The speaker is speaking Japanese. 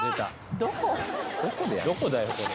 どこだよこれ？